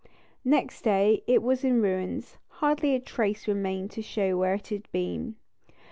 Next day it was in ruins; hardly a trace remained to show where it had been.